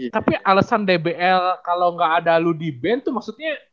tapi alesan dbl kalo gak ada lo di band tuh maksudnya